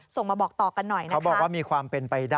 ส่งมาบอกต่อกันหน่อยนะครับเขาบอกว่ามีความเป็นไปได้